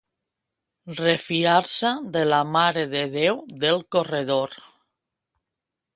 Refiar-se de la Mare de Déu del Corredor.